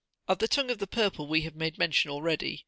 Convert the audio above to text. Of the tongue of the purple we have made mention53 already.